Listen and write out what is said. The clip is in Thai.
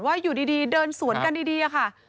ว่าอยู่ดีเดินสวนกันดีค่ะ